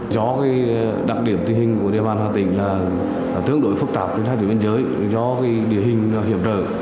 do đặc điểm tình hình của địa bàn hà tĩnh là tương đối phức tạp trên hai tuyến biên giới do địa hình hiểm trở